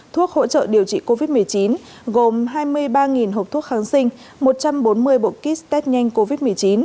thuốc hỗ trợ điều trị covid một mươi chín gồm hai mươi ba hộp thuốc kháng sinh một trăm bốn mươi bộ kit test nhanh covid một mươi chín